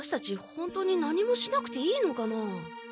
ほんとに何もしなくていいのかなあ？